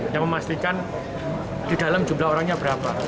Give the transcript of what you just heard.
yang memastikan di dalam jumlah orangnya berapa